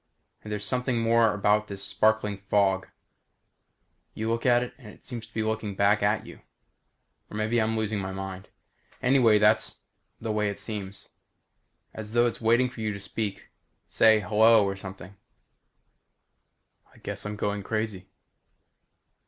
And there's something more about this sparkling fog. You look out at it and it seems to be looking back at you. Or maybe I'm losing my mind. Anyhow, that's the way it seems. As though it's waiting for you to speak to it say hello or something. I guess I'm going crazy.